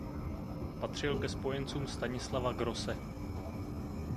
Patřil ke spojencům Stanislava Grosse.